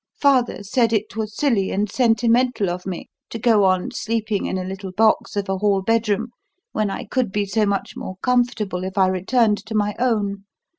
Father said it was silly and sentimental of me to go on sleeping in a little box of a hall bedroom when I could be so much more comfortable if I returned to my own.